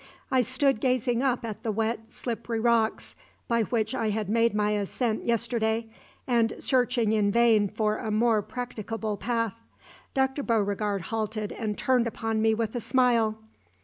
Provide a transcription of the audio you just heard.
I stood gazing up at the wet, slippery rocks by which I had made my ascent yesterday, and searching in vain for a more practicable path. Dr. Beauregard halted and turned upon me with a smile.